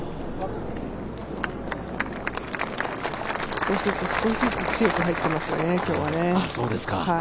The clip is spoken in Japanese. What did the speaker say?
少しずつ少しずつ強く入ってますよね、今日は。